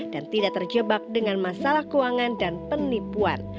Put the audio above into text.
dan tidak terjebak dengan masalah keuangan dan penipuan